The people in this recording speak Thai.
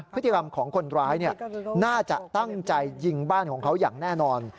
พฤติกรรมของคนร้ายน่าจะตั้งใจยิงบ้านของเขาอย่างแน่นอน